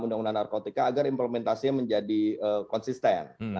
undang undang narkotika agar implementasinya menjadi konsisten